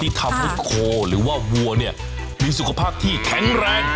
ที่ทำให้โคหรึว่าวัวมีสุขภาพที่แข็งแรง